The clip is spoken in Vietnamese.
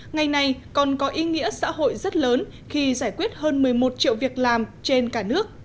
ngày này còn có ý nghĩa xã hội rất lớn khi giải quyết hơn một mươi một triệu việc làm trên cả nước